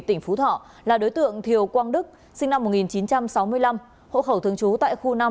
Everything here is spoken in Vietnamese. tỉnh phú thọ là đối tượng thiều quang đức sinh năm một nghìn chín trăm sáu mươi năm hộ khẩu thường trú tại khu năm